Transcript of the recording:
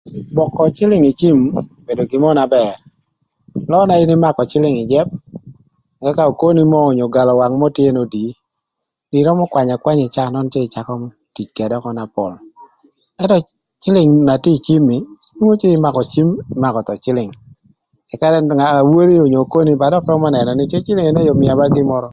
Gwökö cïlïng ï cim obedo gin mörö na bër, löö na in ïmakö cïlïng ï jëp ëka okoni mörö onyo galö wang mörö n'odii ïrömö kwany akwanya ï caa nön cë ïcakö tic ködë ökö na pol. Ëntö cïlïng na tye ï cim ni nwongo cë ïmakö thon cïlïng ëka awodhi onyo okoni ba dökï römö nënö cë kobo nï cë cïlïng ënë yoo mïa ba awïl kï gin mörö.